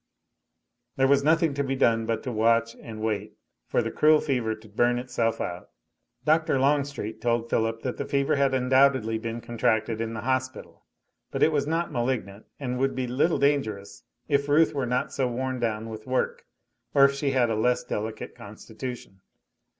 There was nothing to be done but to watch and wait for the cruel fever to burn itself out. Dr. Longstreet told Philip that the fever had undoubtedly been contracted in the hospital, but it was not malignant, and would be little dangerous if Ruth were not so worn down with work, or if she had a less delicate constitution.